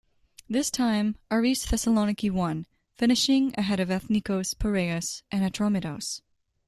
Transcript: This time, Aris Thessaloniki won, finishing ahead of Ethnikos Piraeus and Atromitos.